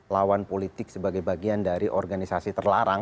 lawan politik sebagai bagian dari organisasi terlarang